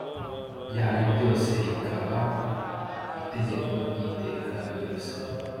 byanyu byose rikaba itegeko ry iteka ryose